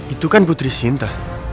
itu kan putri sinta